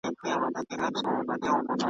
دغو ستورو هم ليدلو .